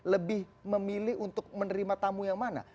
lebih memilih untuk menerima tamu yang mana